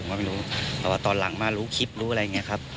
ก็ไม่รู้แต่ว่าตอนหลังมารู้คลิปรู้อะไรอย่างนี้ครับ